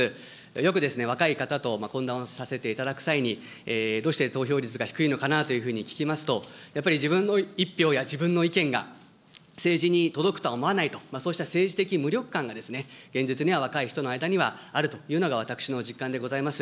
よく若い方と懇談をさせていただく際に、どうして投票率が低いのかなと聞きますと、やっぱり自分の１票や自分の意見が政治に届くとは思わないと、そうした政治的無力感が現実には若い人の間にはあるというのが私の実感でございます。